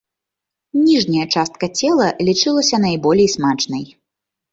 Ніжняя частка цела лічылася найболей смачнай.